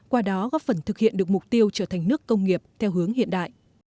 qua đó góp phần thực hiện được mục tiêu trở thành nước công nghiệp theo hướng hiện đại